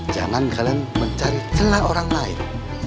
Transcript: jangan kalian mencari celah orang lain